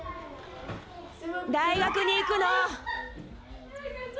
大学に行くの。